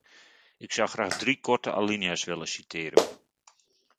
Ik zou graag drie korte alinea’s willen citeren.